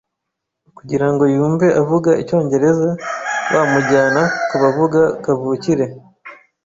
Kugira ngo yumve avuga icyongereza, wamujyana kubavuga kavukire.